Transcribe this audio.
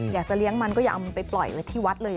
อยากจะเลี้ยงมันก็อย่าเอามันไปปล่อยไว้ที่วัดเลย